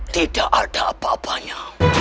tidak ada apa apanya